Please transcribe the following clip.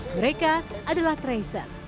mereka adalah tracer